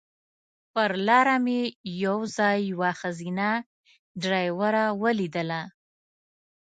پر لاره مې یو ځای یوه ښځینه ډریوره ولیدله.